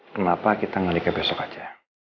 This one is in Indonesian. kenapa kita ngaliknya besok aja